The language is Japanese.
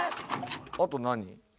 あと何？